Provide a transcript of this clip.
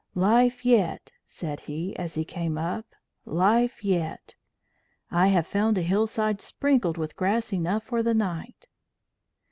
'Life yet,' said he, as he came up, 'life yet; I have found a hillside sprinkled with grass enough for the night.'